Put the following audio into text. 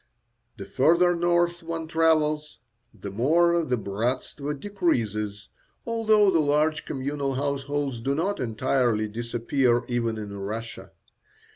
The further north one travels, the more the bratstvo decreases, although the large communal households do not entirely disappear even in Russia.